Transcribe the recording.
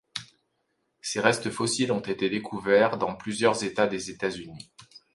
Ses restes fossiles ont été découverts dans plusieurs états des États-Unis.